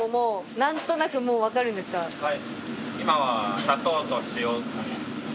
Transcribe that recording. はい。